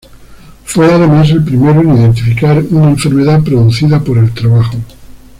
Fue además el primero en identificar una enfermedad producida por el trabajo.